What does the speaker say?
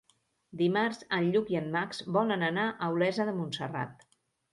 Dimarts en Lluc i en Max volen anar a Olesa de Montserrat.